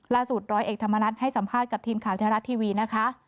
ล่าสุดร้อยเอกธรรมนัฏให้สัมภาษณ์กับทีมข่าวธรรมนัฏทีวีนะคะ